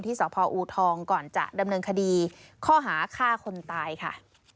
สพอูทองก่อนจะดำเนินคดีข้อหาฆ่าคนตายค่ะ